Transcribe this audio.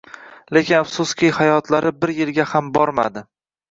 Lekin afsuski hayotlari bir yilga ham bormadi.